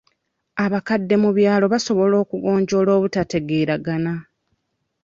Abakadde mu byalo basobola okugonjoola obutategeeragana.